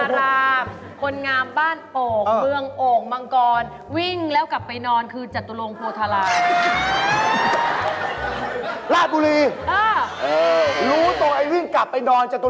รู้ตัวไอร์วิ่งกลับไปนอนจัตตุลงนี่แหละ